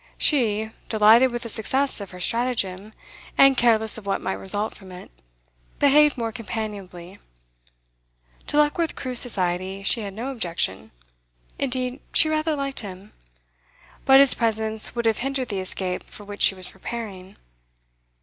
She, delighted with the success of her stratagem, and careless of what might result from it, behaved more companionably. To Luckworth Crewe's society she had no objection; indeed, she rather liked him; but his presence would have hindered the escape for which she was preparing.